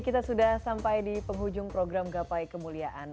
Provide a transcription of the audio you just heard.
kita sudah sampai di penghujung program gapai kemuliaan